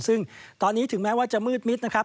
ซึ่งตอนนี้ถึงแม้ว่าจะมืดมิดนะครับ